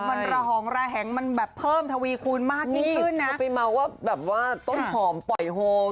มันระหองระแหงมันแบบเพิ่มทวีคูณมากยิ่งขึ้นนะไปเมาว่าแบบว่าต้นหอมปล่อยโฮม